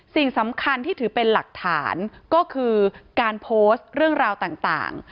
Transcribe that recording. สิ่งสำคัญที่ถือเป็นหลักฐานก็คือการโพสต์เรื่องราวต่าง